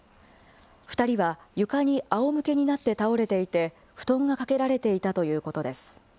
２人は床にあおむけになって倒れていて、布団がかけられていたということです。